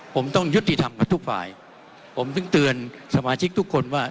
ผมต้องยุติธรรมกับทุกฝ่ายผมถึงเตือนสมาชิกทุกคนว่า